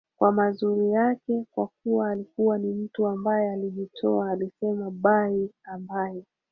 kwa mazuri yake kwa kuwa alikuwa ni mtu ambaye alijitoa alisema Bayi ambaye